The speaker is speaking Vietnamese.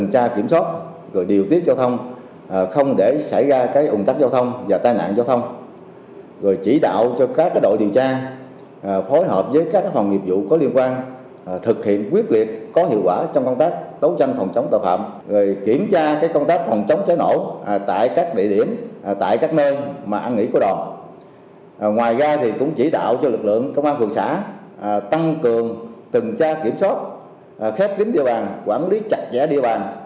hội diễn đã tăng cường từng tra kiểm soát khép kín địa bàn quản lý chặt chẽ địa bàn